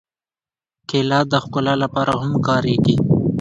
کېله د ښکلا لپاره هم کارېږي.